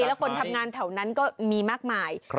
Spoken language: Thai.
แล้วคนทำงานแถวนั้นก็มีมากมาย